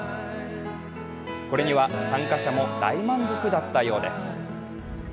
これには参加者も大満足だったようです。